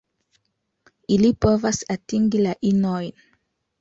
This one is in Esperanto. Ili povos atingi la inojn.